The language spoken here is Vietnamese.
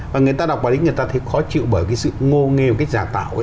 và người ta đọc bài lý người ta thấy khó chịu bởi cái sự ngô nghê và cái giả tạo ấy